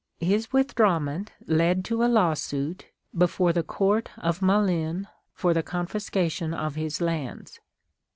His withdraw ment led to a law suit, before the court of Malines, for the confiscation of his lands.